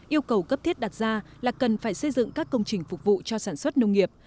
yêu cầu cấp thiết đặt ra là cần phải xây dựng các công trình phục vụ cho sản xuất nông nghiệp